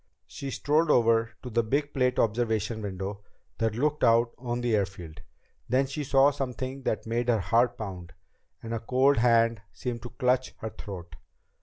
She strolled over to the big plate glass observation window that looked out on the airfield. Then she saw something that made her heart pound, and a cold hand seemed to clutch her throat.